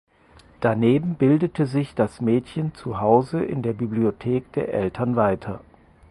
Daneben bildete sich das Mädchen zu Hause in der Bibliothek der Eltern weiter.